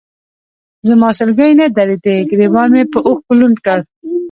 زما سلګۍ نه درېدې، ګرېوان مې به اوښکو لوند کړ.